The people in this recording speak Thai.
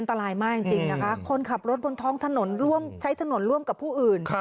ตายมากจริงนะคะคนขับรถบนท้องถนนร่วมใช้ถนนร่วมกับผู้อื่น